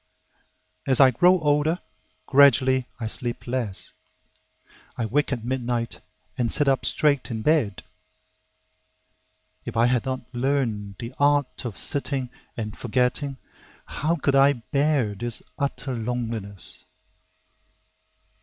As I grow older, gradually I sleep less; I wake at midnight and sit up straight in bed. If I had not learned the "art of sitting and forgetting," How could I bear this utter loneliness?